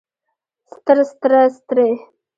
ستر ستره سترې